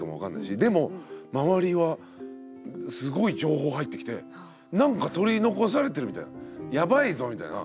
でも周りはすごい情報入ってきてなんか取り残されてるみたいなやばいぞみたいな。